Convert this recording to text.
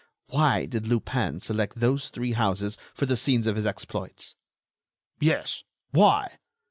Why did Lupin select those three houses for the scenes of his exploits?" "Yes, why?"